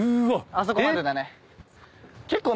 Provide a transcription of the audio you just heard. あそこまでだね。